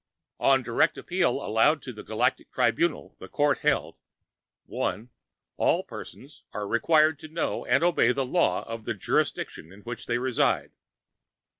On direct appeal allowed to the Galactic Tribunal, the Court held: (1) All persons are required to know and obey the law of the jurisdiction in which they reside.